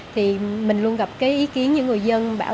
thì mình luôn gặp cái ý kiến những người dân bảo